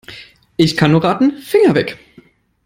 Ich kann nur raten: Finger weg!